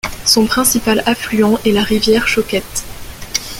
Son principal affluent est la rivière Choquette.